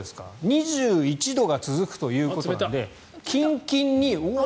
２１度が続くということなのでキンキンにうわ！